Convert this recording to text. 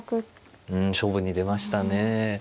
うん勝負に出ましたね。